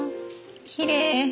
きれい。